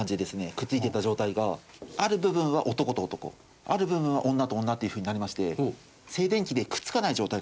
くっついていた状態がある部分は男と男ある部分は女と女というふうになりまして静電気でくっつかない状態ができるという。